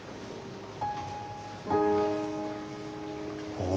ああ。